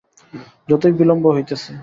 যতই বিলম্ব হইতেছে।